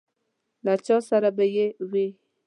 له چا سره به یې وي.